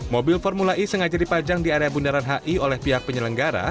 mobil formula e sengaja dipajang di area bundaran hi oleh pihak penyelenggara